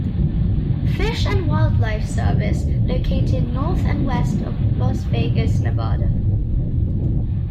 Fish and Wildlife Service, located north and west of Las Vegas, Nevada.